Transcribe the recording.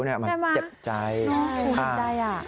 ใช่ไหมอ้าวคิดใจอ้าวคิดใจอ้าวคิดใจ